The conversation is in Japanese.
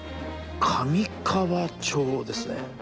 「上川町」ですね。